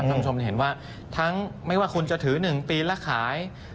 คุณผู้ชมเห็นว่าทั้งไม่ว่าคุณจะถือ๑ปีแล้วขาย